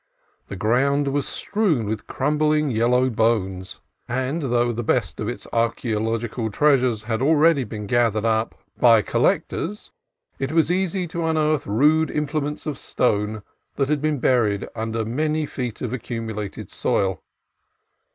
The ground was strewn with crumbling yellowed bones, and though the best of its archaeological treasures had already been gathered up by col 144 CALIFORNIA COAST TRAILS lectors, it was easy to unearth rude implements of stone that had been buried under many feet of accumulated soil